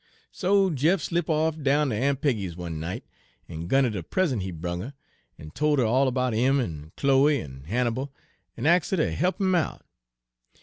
"So Jeff slip' off down ter Aun' Peggy's one night, en gun 'er de present he brung, en tol' 'er all 'bout 'im en Chloe en Hannibal, en ax' 'er ter he'p 'im out.